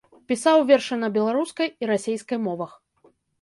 Пісаў вершы на беларускай і расейскай мовах.